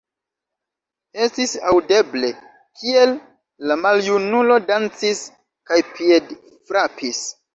Estis aŭdeble, kiel la maljunulo dancis kaj piedfrapis.